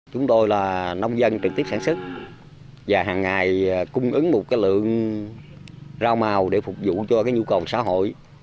chúng tôi là nông dân trực tiếp sản xuất và hàng ngày cung ứng một lượng rau màu để phục vụ cho nhu cầu xã hội